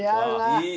いい。